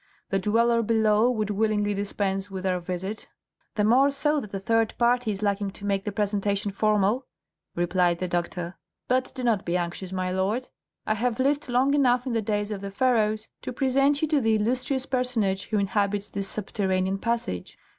The dweller below would willingly dispense with our visit." "The more so that a third party is lacking to make the presentation formal," replied the doctor. "But do not be anxious, my lord, I have lived long enough in the days of the Pharaohs to present you to the illustrious personage who inhabits this subterranean passage."